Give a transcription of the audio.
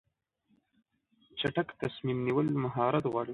چټک تصمیم نیول مهارت غواړي.